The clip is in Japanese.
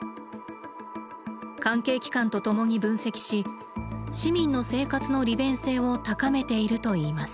関係機関とともに分析し市民の生活の利便性を高めているといいます。